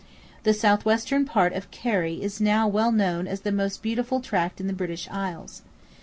The south western part of Kerry is now well known as the most beautiful tract in the British isles.